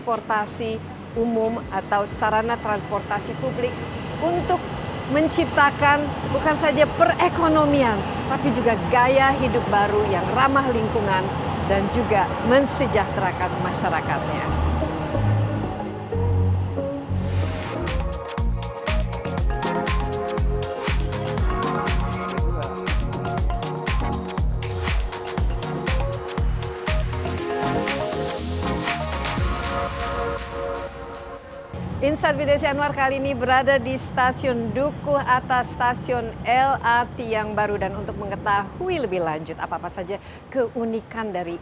berpukul atas stasiun lrt yang baru dan untuk mengetahui lebih lanjut apa saja keunikan dari